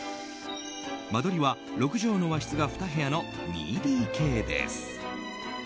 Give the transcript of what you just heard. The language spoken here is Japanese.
間取りは６畳の和室が２部屋の２ＤＫです。